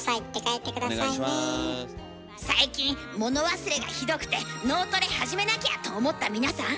最近物忘れがひどくて「脳トレ始めなきゃ！」と思った皆さん。